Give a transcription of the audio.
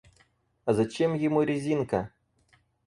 А зачем ему резинка?